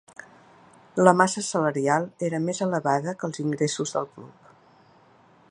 La massa salarial era més elevada que els ingressos del club.